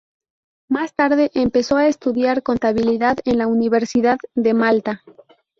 Más tarde, empezó a estudiar Contabilidad en la Universidad de Malta.